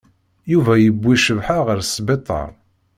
Yuba yewwi Cabḥa ɣer sbiṭaṛ.